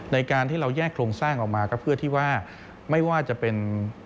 ในการที่เราแยกโครงสร้างออกมาก็เพื่อที่ว่าไม่ว่าจะเป็น